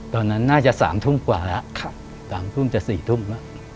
ตอนนั้นน่าจะ๓ทุ่มกว่าอะไรนะ๓๐ถึงจะ๔๐ถึง